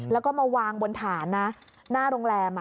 แล้วก็มาวางบนฐานนะหน้าโรงแรม